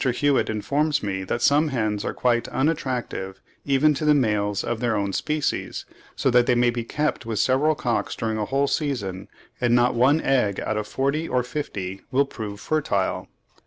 Hewitt informs me that some hens are quite unattractive even to the males of their own species, so that they may be kept with several cocks during a whole season, and not one egg out of forty or fifty will prove fertile.